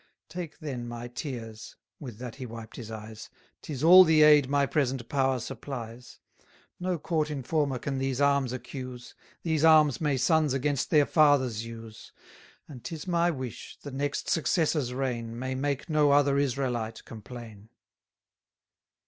Take then my tears (with that he wiped his eyes), 'Tis all the aid my present power supplies: No court informer can these arms accuse; These arms may sons against their fathers use: 720 And 'tis my wish, the next successor's reign, May make no other Israelite complain.